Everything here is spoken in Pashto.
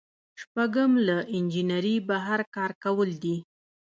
شپږم له انجنیری بهر کار کول دي.